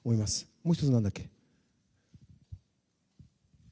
もう１つ、何だっけ？